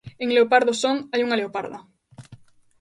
En 'Leopardo son' hai unha leoparda.